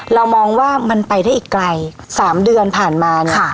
เรามองว่ามันไปได้อีกไกล๓เดือนผ่านมาเนี่ย